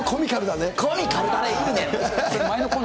コミカルだね、いいね！